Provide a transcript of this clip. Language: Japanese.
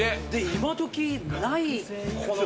今どきないこの。